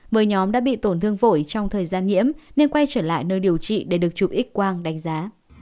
với nhóm đã bị tổn thương phổi trong thời gian nhiễm nên quay trở lại nơi điều trị để được chụp x quang đánh giá